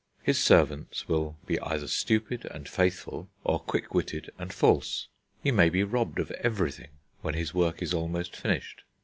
His servants will be either stupid and faithful, or quick witted and false. He may be robbed of everything when his work is almost finished.